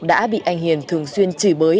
đã bị anh hiền thường xuyên trì bới